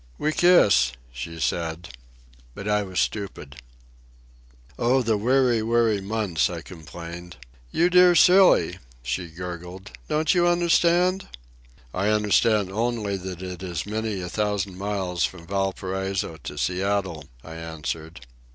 "We kiss," she said. But I was stupid. "Oh, the weary, weary months," I complained. "You dear silly," she gurgled. "Don't you understand?" "I understand only that it is many a thousand miles from Valparaiso to Seattle," I answered.